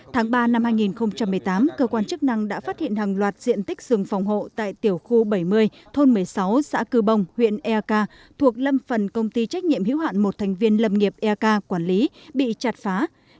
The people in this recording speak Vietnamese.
tháng ba năm hai nghìn một mươi tám cơ quan chức năng đã phát hiện hàng loạt diện tích rừng phòng hộ tại tiểu khu bảy mươi thôn một mươi sáu xã cư bông huyện eak thuộc lâm phần công ty trách nhiệm hữu hạn một thành viên lâm nghiệp eak quản lý bị chặt phá